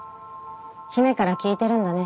姫から聞いてるんだね。